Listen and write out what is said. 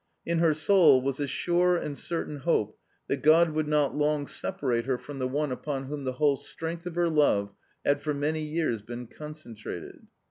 In her soul was a sure and certain hope that God would not long separate her from the one upon whom the whole strength of her love had for many years been concentrated.